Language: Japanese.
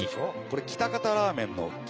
これ喜多方ラーメンの。